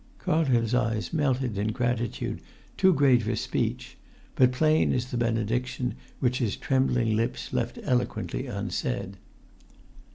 '" Carlton's eyes melted in gratitude too great for speech, but plain as the benediction which his trembling lips left eloquently unsaid.